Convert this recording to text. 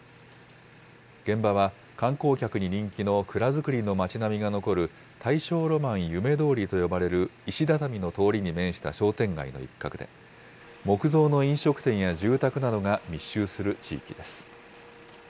現場は、観光客に人気の蔵造りの町並みが残る、大正浪漫夢通りと呼ばれる石畳の通りに面した商店街の一角で、木造の飲食店や住宅などが密集する地域です。